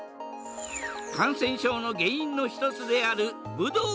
感染症の原因の一つであるブドウ